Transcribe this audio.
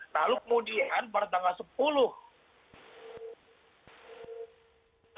lalu kemudian pada tanggal sepuluh september dua ribu dua puluh